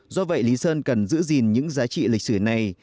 do vậy lý sơn cần giữ gìn những giá trị lịch sử này